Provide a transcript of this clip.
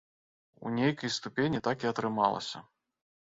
У нейкай ступені так і атрымалася.